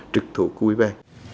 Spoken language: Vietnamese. trực thuộc của quý bang